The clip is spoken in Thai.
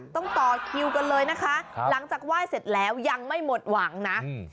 ต้องต่อคิวกันเลยนะคะหลังจากไหว้เสร็จแล้วยังไม่หมดหวังนะอืม